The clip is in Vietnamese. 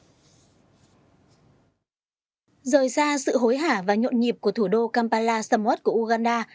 rời xa sự hối hả và nhộn nhịp của thủ đô kampala samot của uganda